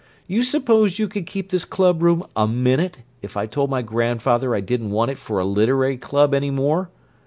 You suppose you could keep this clubroom a minute if I told my grandfather I didn't want it for a literary club any more?